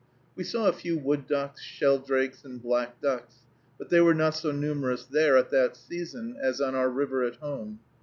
We saw a few wood ducks, sheldrakes, and black ducks, but they were not so numerous there at that season as on our river at home.